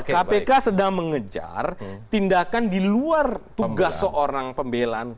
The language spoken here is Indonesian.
kpk sedang mengejar tindakan di luar tugas seorang pembelaan